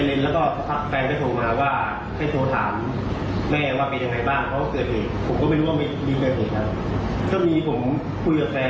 ผมก็ไม่รู้ว่าไม่มีเกิดเหตุครับก็มีผมคุยกับแฟน